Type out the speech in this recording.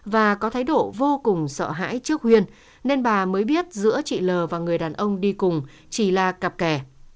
và có thái độ vô cùng sợ hãi trước huyên nên bà mới biết giữa chị l và người đàn ông đi cùng chỉ là cặp kè